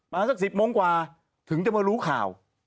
สัก๑๐โมงกว่าถึงจะมารู้ข่าว